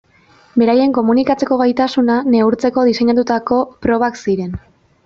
Beraien komunikatzeko gaitasuna neurtzeko diseinatutako probak ziren.